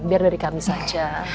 biar dari kami saja